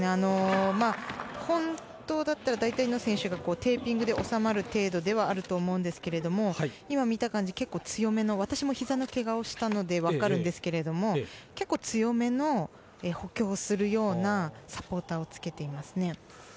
本当だったら大体の選手がテーピングで収まる程度ではあると思いますが今、見た感じ、結構強めの私もひざのけがをしたので分かるんですけども結構、強めの補強をするようなサポーターをつけていますね。